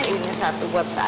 ini satu buat saya